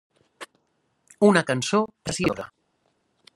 Una cançó preciosa.